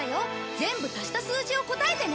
全部足した数字を答えてね。